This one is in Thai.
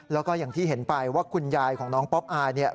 แล้วก็อย่างที่เห็นไปว่าคุณยายของน้องป๊อปอายเนี่ย